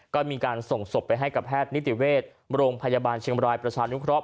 ก็มีการส่งศพไปให้กับแพทย์นิติเวชโรงพยาบาลเชียงบรายประชานุเคราะห